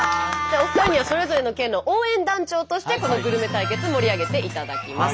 お二人にはそれぞれの県の応援団長としてこのグルメ対決盛り上げていただきます。